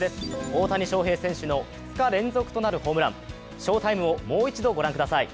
大谷翔平選手の２日連続となるホームラン、翔タイムをもう一度御覧ください。